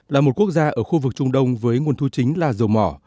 là một quốc gia ở khu vực trung đông với nguồn thu chính là dầu mỏ